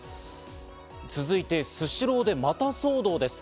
続いてスシローで、また騒動です。